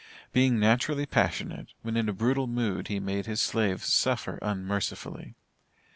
Being naturally passionate, when in a brutal mood, he made his slaves suffer unmercifully.